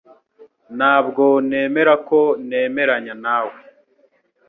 Ntabwo nemera ko nemeranya nawe